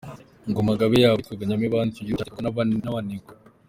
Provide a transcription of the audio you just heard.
Ingoma-Ngabe yabo yitwaga Nyamibande ; icyo gihugu cyategekwaga n’Abenengwe.